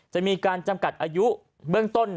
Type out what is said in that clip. จะมีการจำกัดอายุ